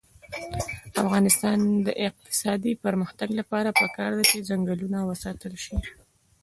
د افغانستان د اقتصادي پرمختګ لپاره پکار ده چې ځنګلونه وساتل شي.